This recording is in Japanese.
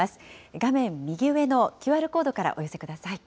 画面右上のＱＲコードからお寄せください。